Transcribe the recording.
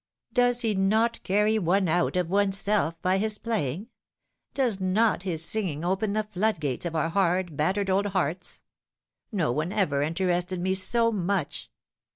" Does he not carry one out of oneself by his playing ? Does not his singing open the floodgates of our hard, battered old hearts ? No one ever interested me BO much."